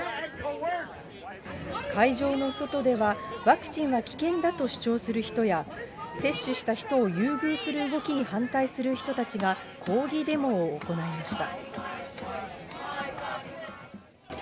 会場の外では、ワクチンは危険だと主張する人や、接種した人を優遇する動きに反対する人たちが抗議デモを行いました。